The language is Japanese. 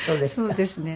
そうですね。